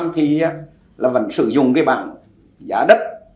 thì vẫn sử dụng bảng giá đất